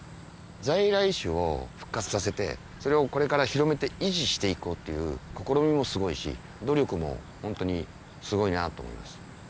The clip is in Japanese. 在来種を復活させてそれをこれから広めて維持していこうという試みもすごいし努力もホントにすごいなと思います。